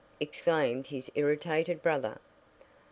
exclaimed his irritated brother.